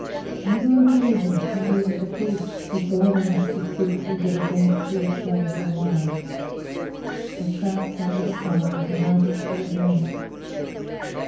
Never a villager not even the priest was bold enough to speak to the Bhagat who had saved their lives. They crouched under the pines and waited till the day.